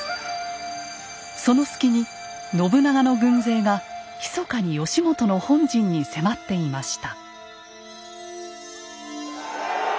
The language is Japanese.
その隙に信長の軍勢がひそかに義元の本陣に迫っていました。